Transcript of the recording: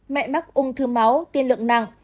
mẹ mắc ung thư máu tiên lượng nặng